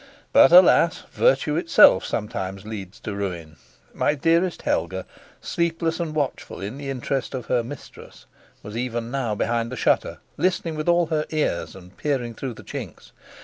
But, alas, virtue itself sometimes leads to ruin. My dearest Helga, sleepless and watchful in the interest of her mistress, was even now behind the shutter, listening with all her ears and peering through the chinks.